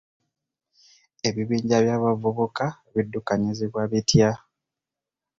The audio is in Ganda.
Ebibinja by'abavubuka biddukanyizibwa bitya?